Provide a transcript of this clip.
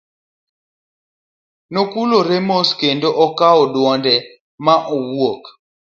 Nokulore mos kendo okawo wuode ma owuok.